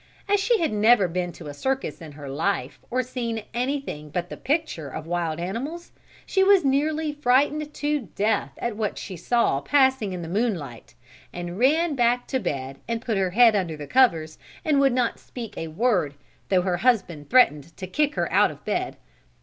As she had never been to a circus in her life or seen anything but the picture of wild animals, she was nearly frightened to death at what she saw passing in the moonlight, and ran back to bed and put her head under the covers and would not speak a word, though her husband threatened to kick her out of bed.